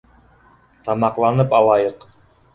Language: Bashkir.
Тамаҡланып алайыҡ.